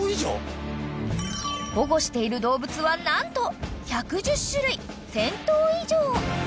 ［保護している動物は何と１１０種類１，０００頭以上！］